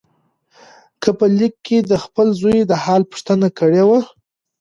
هغه په لیک کې د خپل زوی د حال پوښتنه کړې وه.